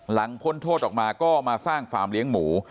พ้นโทษออกมาก็มาสร้างฟาร์มเลี้ยงหมู